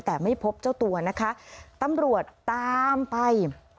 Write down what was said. แต่ไม่พบเจ้าตัวนะคะตำรวจตามไป